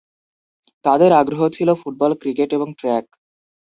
তাদের আগ্রহ ছিল ফুটবল, ক্রিকেট এবং ট্র্যাক।